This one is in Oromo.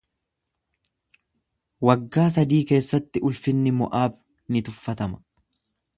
Waggaa sadii keessatti ulfinni Mo'aab ni tuffatama.